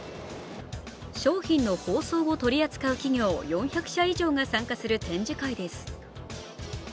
商品の包装を取り扱う企業４００社以上が参加する展示会です。